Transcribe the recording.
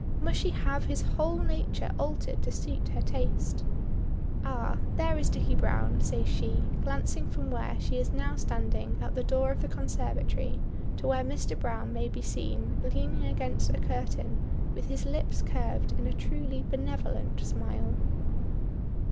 Must she have his whole nature altered to suit her taste? "Ah, there is Dicky Browne," says she, glancing from where she is now standing at the door of the conservatory to where Mr. Browne may be seen leaning against a curtain with his lips curved in a truly benevolent smile.